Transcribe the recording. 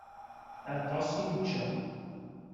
Aṭas i nečča.